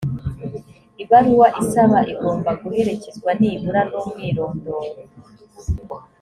ibaruwa isaba igomba guherekezwa nibura n’umwirondoro